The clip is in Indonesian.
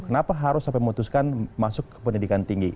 kenapa harus sampai memutuskan masuk ke pendidikan tinggi